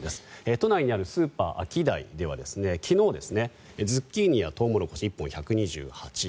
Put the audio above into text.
都内にあるスーパーアキダイでは昨日ズッキーニやトウモロコシ１本１２８円